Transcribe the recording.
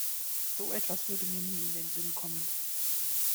So etwas würde mir nie in den Sinn kommen.